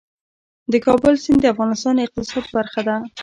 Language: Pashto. د کابل سیند د افغانستان د اقتصاد برخه ده.